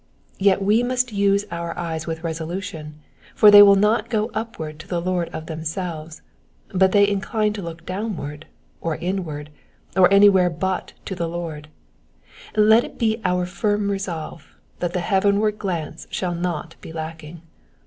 Yet we must use our eyes with resolution, for they will not go up ward to the Lord of themselves, but they incline to look downward, or inward, or anywhere but to the Lord : let it be our firm resolve that the heavenward glance shall not be lacking.